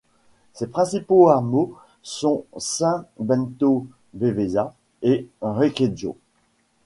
Ses principaux hameaux sont St Bento Devesa et Requeijo.